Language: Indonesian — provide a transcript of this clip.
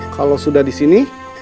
kalau sudah disini